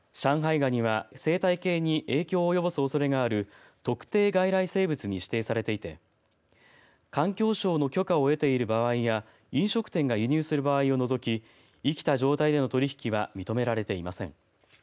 ガニは生態系に影響を及ぼすおそれがある特定外来生物に指定されていて環境省の許可を得ている場合や飲食店が輸入する場合を除き生きた状態での取り引きは認められていません。